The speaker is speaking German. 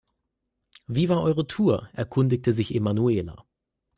Wie war eure Tour?, erkundigte sich Emanuela.